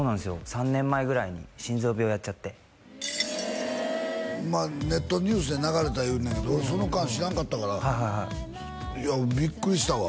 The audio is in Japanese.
３年前ぐらいに心臓病やっちゃってネットニュースで流れたいうねんけど俺その間知らんかったからはいはいはいいやビックリしたわ